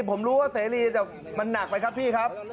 ผมรู้ว่าเสรีแต่มันหนักไปครับพี่ครับ